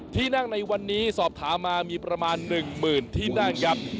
ที่นั่งในวันนี้สอบถามมามีประมาณ๑๐๐๐ที่นั่งครับ